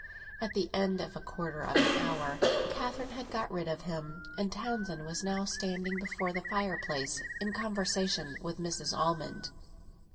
At the end of a quarter of an hour Catherine had got rid of him, and Townsend was now standing before the fireplace in conversation with Mrs. Almond.